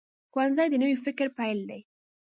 ښوونځی د نوي فکر پیل دی